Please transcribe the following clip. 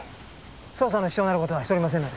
捜査の支障になる事はしておりませんので。